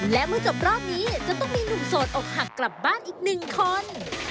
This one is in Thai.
และเมื่อจบรอบนี้จะต้องมีหนุ่มโสดอกหักกลับบ้านอีกหนึ่งคน